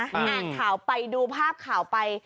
อ่านข่าวไปดูภาพข่าวไป